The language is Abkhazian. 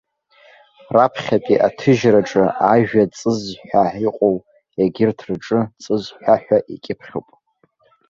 Раԥхьатәи аҭыжьраҿы ажәа ҵызҳәа ҳәа иҟоу, егьырҭ рҿы ҵыз ҳәа ҳәа икьыԥхьуп.